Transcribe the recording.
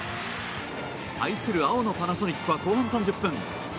対する青のパナソニックは後半３０分。